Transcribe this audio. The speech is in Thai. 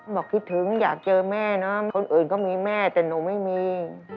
บอกคิดถึงอยากเจอแม่นะคนอื่นก็มีแม่แต่หนูไม่มี